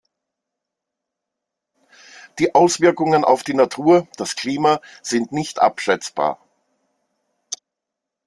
Die Auswirkungen auf die Natur, das Klima, sind nicht abschätzbar.